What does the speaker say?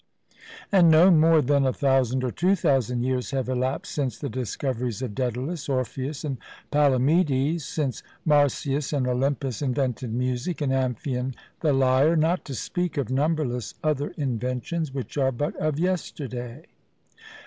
And no more than a thousand or two thousand years have elapsed since the discoveries of Daedalus, Orpheus and Palamedes, since Marsyas and Olympus invented music, and Amphion the lyre not to speak of numberless other inventions which are but of yesterday.